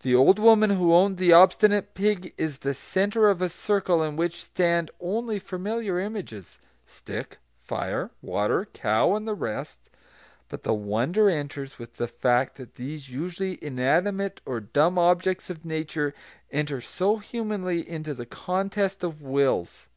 The old woman who owned the obstinate pig is the centre of a circle in which stand only familiar images, stick, fire, water, cow, and the rest; but the wonder enters with the fact that these usually inanimate or dumb objects of nature enter so humanly into the contest of wills.